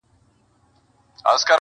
• کنې دوى دواړي ويدېږي ورځ تېرېږي.